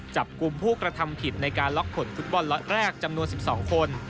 จับกลุ่มผู้กระทำผิดในการล็อกขนฟุตบอลล็อตแรกจำนวน๑๒คน